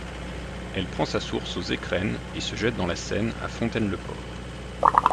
Elle prend sa source aux Écrennes et se jette dans la Seine à Fontaine-le-Port.